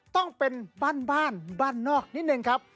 ต้องเป็นบ้านบ้านนอกนิดนึงครับ